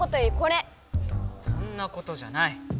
そんなことじゃない。